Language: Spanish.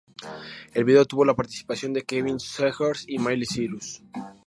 El video tuvo la participación de Kevin Zegers y Miley Cyrus.